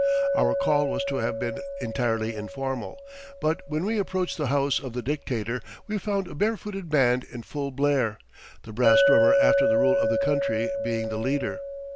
Our call was to have been entirely informal, but when we approached the house of the Dictator we found a barefooted band in full blare, the bass drummer after the rule of the country being the leader.